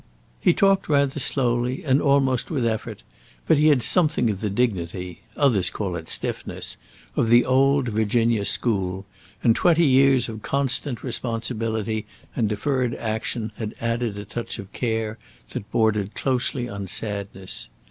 He talked rather slowly and almost with effort, but he had something of the dignity others call it stiffness of the old Virginia school, and twenty years of constant responsibility and deferred hope had added a touch of care that bordered closely on sadness.